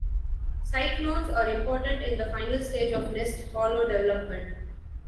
Cyclones are important in the final stage of nest hollow development.